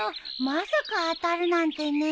まさか当たるなんてね。